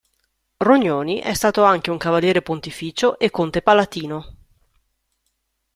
Rognoni è stato anche un cavaliere pontificio ed conte palatino.